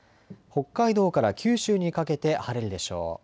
北海道から九州にかけて晴れるでしょう。